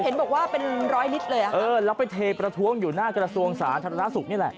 เห็นบอกว่าเป็นร้อยนิดเลยอ่ะค่ะเออแล้วไปเทประท้วงอยู่หน้ากระทรวงสาธารณสุขนี่แหละ